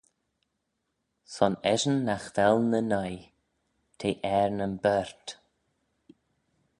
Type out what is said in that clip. Son eshyn nagh vel nyn 'oi, t'eh er nyn baart.